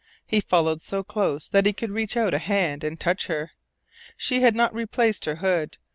He followed so close that he could reach out a hand and touch her. She had not replaced her hood.